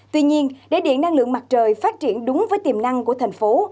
tuy nhiên để điện năng lượng mặt trời phát triển đúng với tiềm năng của thành phố